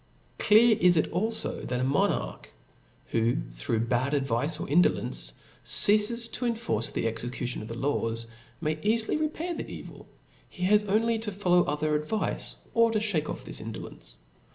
Clean* it is, alfo, that a monarch, who through bad advice or indolence ceafes to enforce the ex ecution of the laws, may eafily repair the evil i he r O F L A W S. 29 he has only to follow other advice ; or Co (hake s o o c off this indolence.